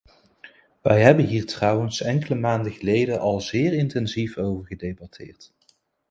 Wij hebben hier trouwens enkele maanden geleden al zeer intensief over gedebatteerd.